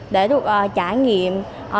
để được trải nghiệm